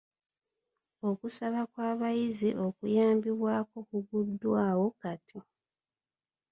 Okusaba kw'abayizi okuyambibwako kugguddwawo kati.